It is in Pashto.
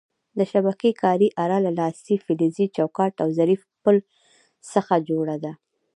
د شبکې کارۍ اره له لاسۍ، فلزي چوکاټ او ظریف پل څخه جوړه ده.